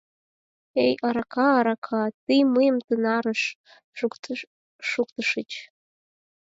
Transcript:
Эй, арака, арака, тый мыйым тынарыш шуктышыч!